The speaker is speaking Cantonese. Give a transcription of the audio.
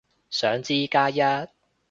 想知，加一